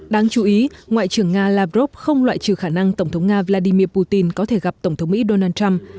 đáng chú ý ngoại trưởng nga lavrov không loại trừ khả năng tổng thống nga vladimir putin có thể gặp tổng thống mỹ donald trump